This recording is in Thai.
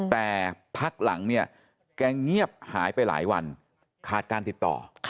แต่พักหลังเนี่ยแกเงียบหายไปหลายวันขาดการติดต่อ